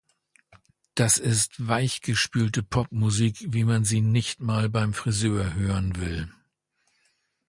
Das ist weichgespülte Pop-Musik, wie man sie nicht mal beim Frisör hören will.